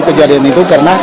kejadian ibu putri